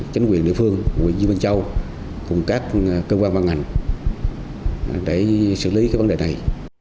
chính quyền địa phương quyền dương minh châu cùng các cơ quan ban ngành để xử lý cái vấn đề này